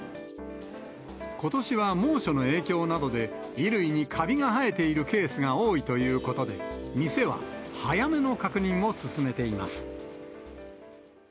ことしは猛暑の影響などで、衣類にカビが生えているケースが多いということで、店は早めの確認を勧めています。